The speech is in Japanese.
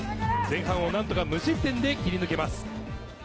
前半を何とか無失点で切り抜けます。